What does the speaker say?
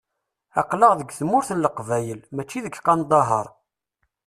Aql-aɣ deg tmurt n Leqbayel, mačči deg Qandahaṛ.